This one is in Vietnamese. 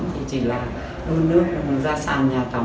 thì chỉ là uống nước ra sàn nhà tắm